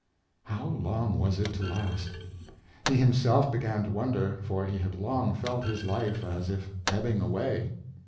How long was it to last ? He himself began to won der, for he had long felt his life as if ebbing away.